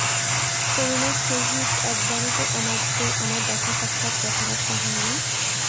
করুণার সহিত একবারও তো আমার দেখাসাক্ষাৎ কথাবার্তা হয় নাই।